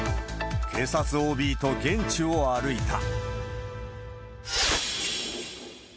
警察ＯＢと現地を歩いた。